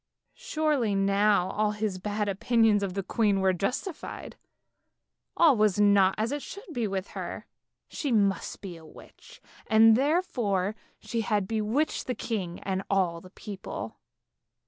Surely now all his bad opinions of the queen were justified; all was not as it should be with her, she must be a witch, and therefore she had bewitched the king and all the people.